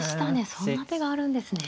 そんな手があるんですね。